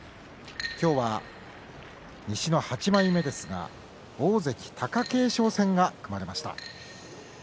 今日は西の８枚目ですが大関貴景勝戦が組まれています。